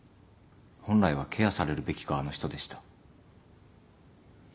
本来はケアされるべき側の人でした。